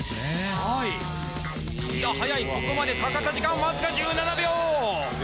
はいいや速いここまでかかった時間わずか１７秒！